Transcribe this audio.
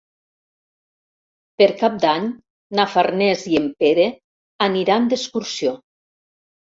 Per Cap d'Any na Farners i en Pere aniran d'excursió.